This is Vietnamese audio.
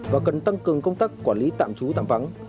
và cần tăng cường công tác quản lý tạm trú tạm vắng